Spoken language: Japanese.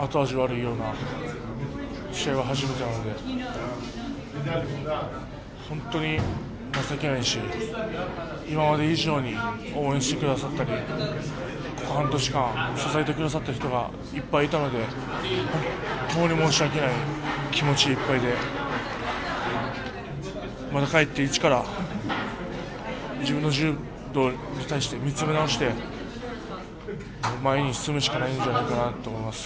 こんなに後味悪いような試合は初めてなので本当に情けないし今まで以上に応援してくださったりこの半年間、支えてくださった人がいっぱいいたので本当に申し訳ない気持ちでいっぱいでまた帰って１から自分の柔道に対して見つめ直して前に進むしかないんじゃないかなと思います。